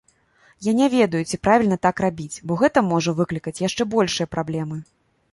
Я не ведаю, ці правільна так рабіць, бо гэта можа выклікаць яшчэ большыя праблемы.